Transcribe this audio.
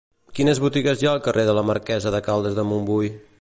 Quines botigues hi ha al carrer de la Marquesa de Caldes de Montbui?